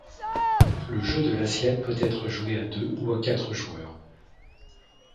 Le jeu de l'assiette peut être joué à deux ou à quatre joueurs.